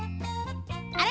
あれ？